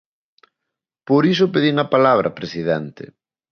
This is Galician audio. Por iso pedín a palabra, presidente.